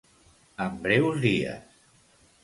En breus dies.